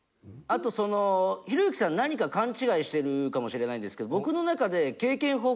あとそのひろゆきさん何か勘違いしてるかもしれないんですけど。